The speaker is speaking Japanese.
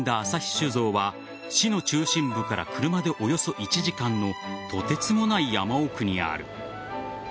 酒造は市の中心部から車でおよそ１時間のとてつもない山奥にある。